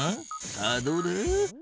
さあどうだ？